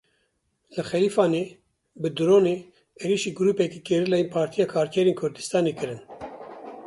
Li Xelîfanê bi dronê êrişî grûpeke gerîlayên Partiya Karkerên Kurdistanê kirin.